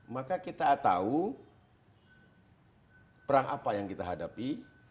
maka kita tahu perang apa yang kita hadapi